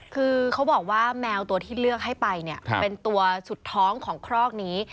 คือเขาบอกว่าแมวตัวที่เลือกให้ไปเนี่ยเป็นตัวสุดท้องของครอกนี้